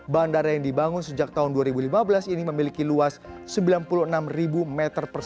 bandara yang dibangun sejak tahun dua ribu lima belas ini memiliki luas sembilan puluh enam meter